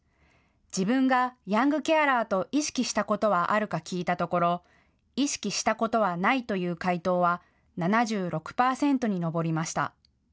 自分がヤングケアラーと意識したことはあるか聞いたところ、意識したことはないという回答は７６％に上りました。